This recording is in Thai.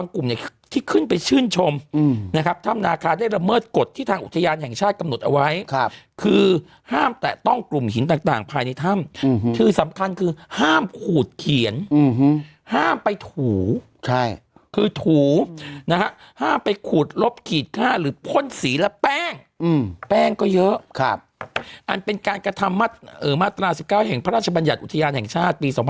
แค่เอาตัวขึ้นไปข้างบนเนี่ยยังลำบากเลยใช่